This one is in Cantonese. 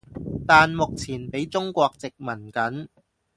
但目前畀中國殖民緊